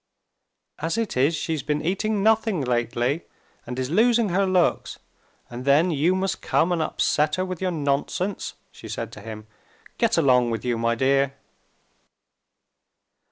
"As it is, she's been eating nothing lately and is losing her looks, and then you must come and upset her with your nonsense," she said to him. "Get along with you, my dear!"